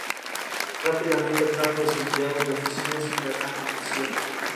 La bacteria contiene un solo cromosoma y no se conocen plásmidos.